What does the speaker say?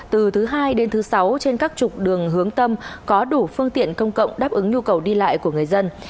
từ thứ hai đến thứ sáu trên các trục đường hướng tâm có đủ phương tiện công cộng đáp ứng nhu cầu đi lại của người dân